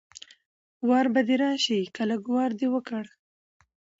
وار به دې راشي که لږ وار دې وکړ